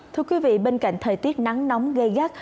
thưa quý vị bên cạnh thời tiết nắng nóng gây gắt